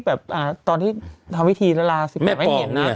ภาพตอนที่ทำวิธีรัฐรา้าไม่เห็น